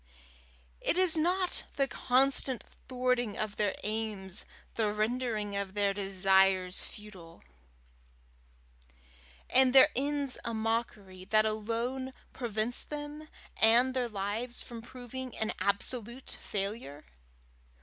Is it not the constant thwarting of their aims, the rendering of their desires futile, and their ends a mockery, that alone prevents them and their lives from proving an absolute failure?